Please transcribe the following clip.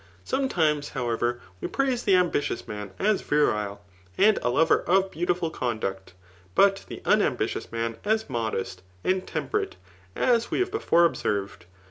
Somietimes, however, we praise the stfi^tious man as Yirile^ and a lover of heattttfiil ooiw dvcti but the unambidous man as modest and tempe «aiie, as we have before observed.